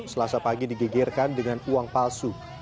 selasa pagi digegerkan dengan uang palsu